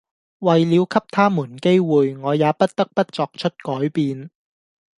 為了給他們機會、我也不得不作出改變！